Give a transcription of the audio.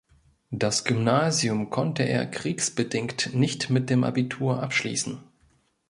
Das Gymnasium konnte er kriegsbedingt nicht mit dem Abitur abschließen.